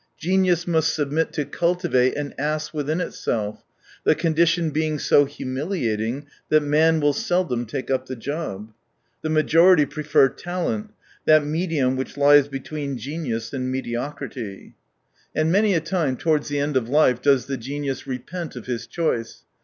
Genius must submit to cultivate an ass within itself — the condition being so humili ating that man will seldom take up the job. The majority prefer talent, that mediurn which lies between genius and mediocrity, 47^ And many a tinae, towards the end of life, does the genius repent of his choice.